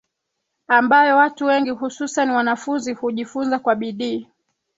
ambayo watu wengi hususani wanafunzi hujifunza kwa bidii